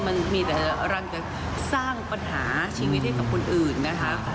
มันมีแต่รังจะสร้างปัญหาชีวิตให้กับคนอื่นนะคะ